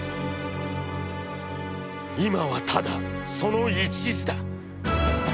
いまはただその一事だ。